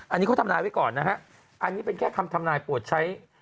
อันนี้เขาทำนายไว้ก่อนนะฮะอันนี้เป็นแค่คำทำนายปวดใช้